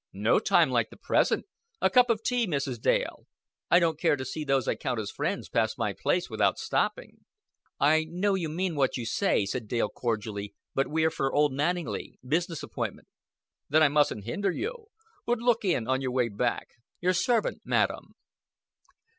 "No time like the present. A cup of tea, Mrs. Dale. I don't care to see those I count as friends pass my place without stopping." "I know you mean what you say," said Dale cordially; "but we're for Old Manninglea business appointment." "Then I mustn't hinder you. But look in on your way back. Your servant, madam."